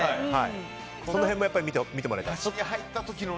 その辺も見てもらいたい？